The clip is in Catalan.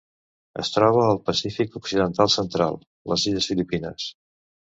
Es troba al Pacífic occidental central: les illes Filipines.